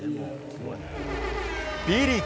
Ｂリーグ。